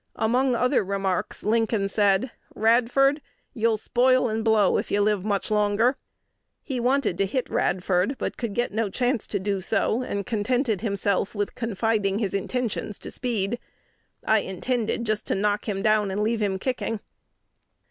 Among other remarks, Lincoln said, "Radford, you'll spoil and blow if you live much longer." He wanted to hit Radford, but could get no chance to do so, and contented himself with confiding his intentions to Speed. "I intended just to knock him down, and leave him kicking."